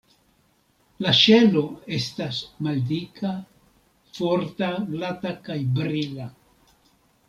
La ŝelo estas maldika, forta, glata kaj brila.